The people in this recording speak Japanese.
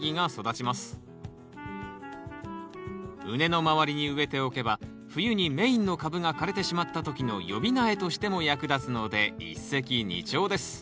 畝の周りに植えておけば冬にメインの株が枯れてしまった時の予備苗としても役立つので一石二鳥です